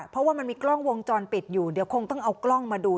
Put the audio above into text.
เพราะว่ามันมีกล้องวงจรปิดอยู่เดี๋ยวคงต้องเอากล้องมาดู